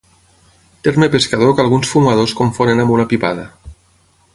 Terme pescador que alguns fumadors confonen amb una pipada.